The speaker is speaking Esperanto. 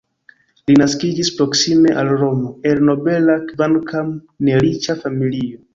Li naskiĝis proksime al Romo el nobela, kvankam ne riĉa familio.